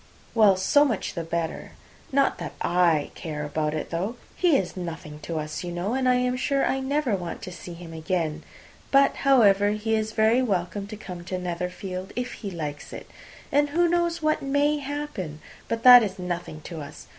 "Well, so much the better. Not that I care about it, though. He is nothing to us, you know, and I am sure I never want to see him again. But, however, he is very welcome to come to Netherfield, if he likes it. And who knows what may happen? But that is nothing to us.